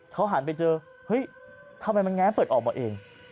เขาหันไปเจอเฮ้ยทำไมมันแง้เปิดออกมาเอง